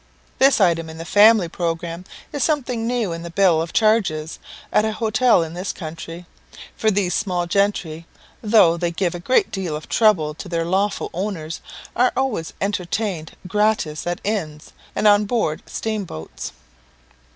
This item in the family programme is something new in the bill of charges at an hotel in this country; for these small gentry, though they give a great deal of trouble to their lawful owners, are always entertained gratis at inns and on board steamboats.